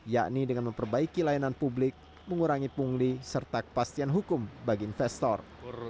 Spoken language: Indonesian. yakni dengan memperbaiki layanan publik mengurangi pungli serta kepastian hukum bagi investor